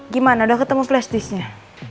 gimana udah ketemu flashdisk nya